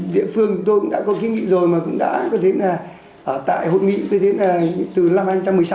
địa phương tôi cũng đã có kiến nghị rồi mà cũng đã có thể là ở tại hội nghị từ năm hai nghìn một mươi sáu